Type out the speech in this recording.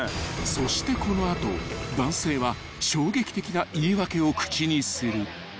［そしてこの後男性は衝撃的な言い訳を口にする］